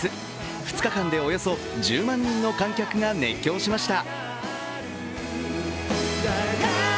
２日間でおよそ１０万人の観客が熱狂しました。